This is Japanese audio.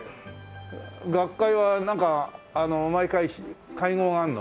学会はなんか毎回会合があるの？